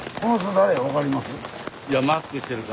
誰や分かりますか？